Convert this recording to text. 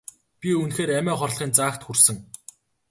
Би үнэхээр амиа хорлохын заагт хүрсэн.